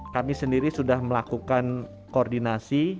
kami sendiri sudah melakukan koordinasi